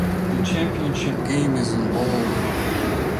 The championship game is in Bold.